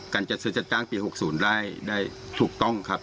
จัดซื้อจัดตั้งปี๖๐ได้ถูกต้องครับ